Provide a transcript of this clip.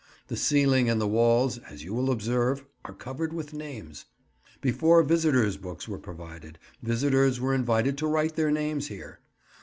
The ceiling and the walls, as you will observe, are covered with names. Before visitors' books were provided, visitors were invited to write their names here.